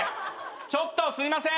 ちょっとすいません！